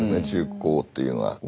中高というのは。